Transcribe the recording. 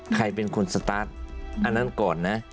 ใครเป็นคนสตาร์ทอันนั้นก่อนนะ